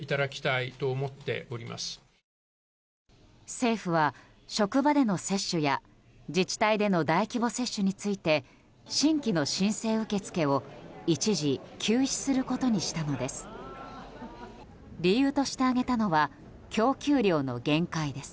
政府は、職場での接種や自治体での大規模接種について新規の申請受け付けを一時休止することにしたのです。